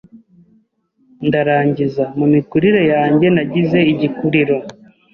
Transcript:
ndarangiza. Mu mikurire yanjye, nagize igikuriro